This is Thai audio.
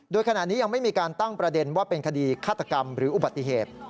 โดยขณะนี้ยังไม่มีการตั้งประเด็นว่าเป็นคดีฆาตกรรมหรืออุบัติเหตุ